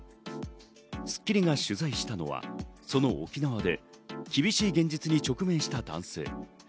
『スッキリ』が取材したのはその沖縄で厳しい現実に直面した男性。